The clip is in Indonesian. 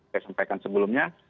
saya sampaikan sebelumnya